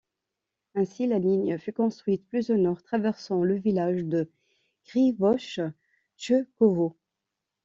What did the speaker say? Ainsi, la ligne fut construite plus au nord, traversant le village de Krivochtchekovo.